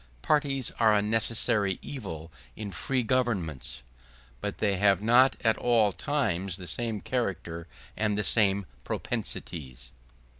Parties are a necessary evil in free governments; but they have not at all times the same character and the same propensities.